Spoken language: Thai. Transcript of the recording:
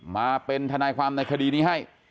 มาเป็นทนายความในคดีนี้ให้